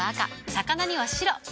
魚には白。